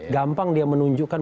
gampang dia menunjukkan